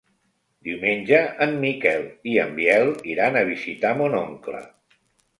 Diumenge en Miquel i en Biel iran a visitar mon oncle.